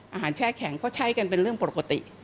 แช่แข็งเขาใช้กันเป็นเรื่องปกติ